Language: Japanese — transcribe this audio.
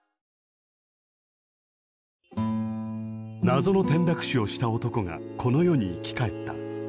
謎の転落死をした男がこの世に生き返った。